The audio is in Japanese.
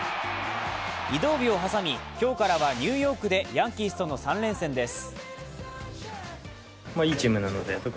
移動日を挟み今日からはニューヨークでヤンキースとの３連戦です。